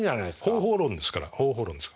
方法論ですから方法論です。